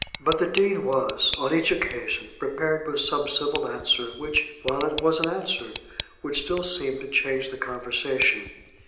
But the Dean was, on each occasion, prepared with some civil answer, which, while it was an answer, would still seem to change the conversation.